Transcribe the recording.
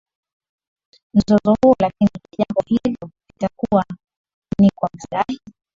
mzozo huo Lakini jee jambo hilo litakuwa ni kwa maslahi